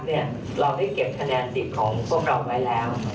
เราได้เก็บคะแนนสิทธิ์ของพวกเราไว้แล้ว